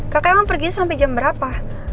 kakak emang pergi sampe jam berapa